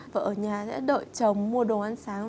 vợ ở nhà sẽ đợi chồng mua đồ ăn sáng